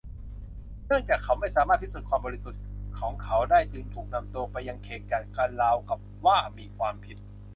เนื่องจากเขาไม่สามารถพิสูจน์ความบริสุทธิ์ของเขาได้เขาจึงถูกนำตัวไปยังเขตกักกันราวกับว่ามีความผิด